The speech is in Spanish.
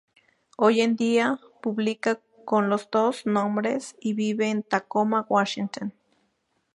Hoy en día publica con los dos nombres y vive en Tacoma, Washington.